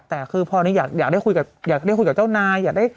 แต่คือพอนี้อยากได้คุยกับเจ้านาย